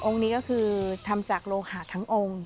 นี้ก็คือทำจากโลหะทั้งองค์